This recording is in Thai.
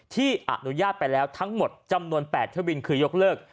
ที่อนุญาตไปแล้วทั้งหมดจำนวน๘เที่ยวบินคือยกเลิก